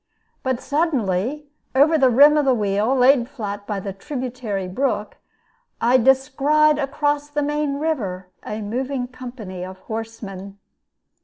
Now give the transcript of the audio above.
But suddenly over the rim of the wheel (laid flat in the tributary brook) I descried across the main river a moving company of horsemen.